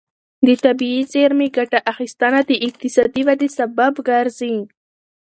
د طبیعي زېرمې ګټه اخیستنه د اقتصادي ودې سبب ګرځي.